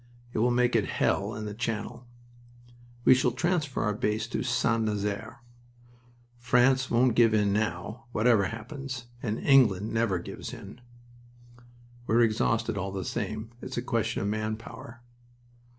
"It will make it hell in the Channel." "We shall transfer our base to St. Nazaire." "France won't give in now, whatever happens. And England never gives in." "We're exhausted, all the same. It's a question of man power."